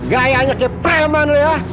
gayanya kayak preman lu ya